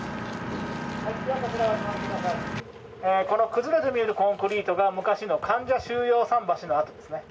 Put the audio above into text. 崩れて見えるコンクリートが昔の患者収容の桟橋です。